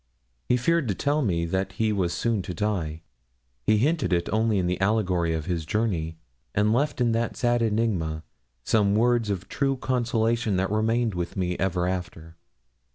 He feared to tell me that he was soon to die. He hinted it only in the allegory of his journey, and left in that sad enigma some words of true consolation that remained with me ever after.